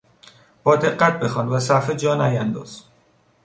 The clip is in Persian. با دقت بخوان و صفحه جا نیانداز.